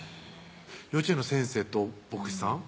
幼稚園の先生と牧師さん？